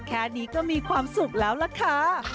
แค่นี้ก็มีความสุขแล้วล่ะค่ะ